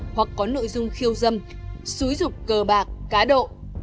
hoặc có nội dung khiêu dâm xúi rục cờ bạc cá độ